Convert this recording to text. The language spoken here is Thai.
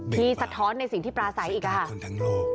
ที่สะท้อนในสิ่งที่ปราศัยอีกฮะ